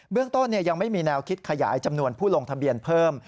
เรื่องต้นยังไม่มีแนวคิดขยายจำนวนผู้ลงทะเบียนเพิ่ม